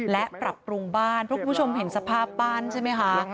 และปรับปรุงบ้านเพราะคุณผู้ชมเห็นสภาพบ้านใช่ไหมคะ